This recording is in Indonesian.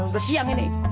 udah siang ini nih